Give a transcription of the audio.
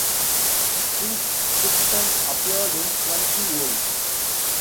Tieck's "Schriften" appeared in twenty vols.